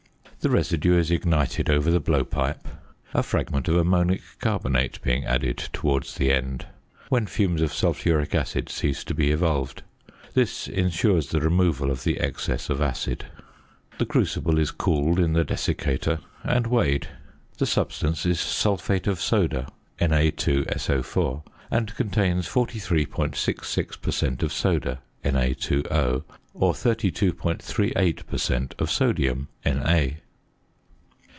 The residue is ignited over the blowpipe, a fragment of ammonic carbonate being added towards the end, when fumes of sulphuric acid cease to be evolved. This ensures the removal of the excess of acid. The crucible is cooled in the desiccator, and weighed. The substance is sulphate of soda (Na_SO_), and contains 43.66 per cent. of soda (Na_O), or 32.38 per cent. of sodium (Na).